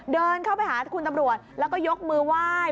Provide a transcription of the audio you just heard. เดินเข้าไปหาคุณตำรวจแล้วก็ยกมือไหว้